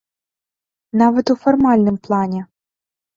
Нават у фармальным плане.